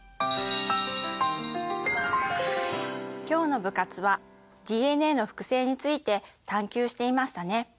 今日の部活はＤＮＡの複製について探究していましたね。